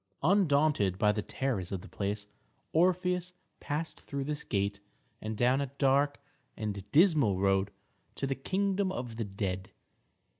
Undaunted by the terrors of the place, Orpheus passed through this gate and down a dark and dismal road to the kingdom of the dead.